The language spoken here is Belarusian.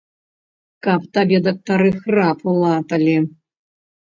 Каб табе дактары храпу латалі!